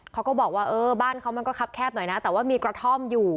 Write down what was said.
เขาก็บอกว่าเออบ้านเขามันก็คับแคบหน่อยนะแต่ว่ามีกระท่อมอยู่